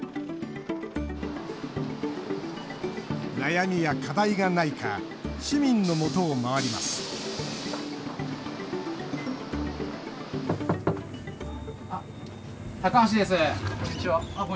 悩みや課題がないか市民のもとを回ります高橋です。